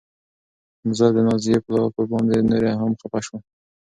زه د نازيې په لافو باندې نوره هم خپه شوم.